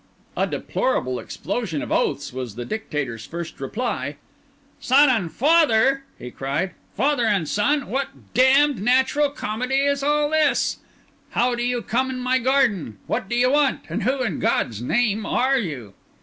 A deplorable explosion of oaths was the Dictator's first reply. "Son and father?" he cried. "Father and son? What d—d unnatural comedy is all this? How do you come in my garden? What do you want? And who, in God's name, are you?"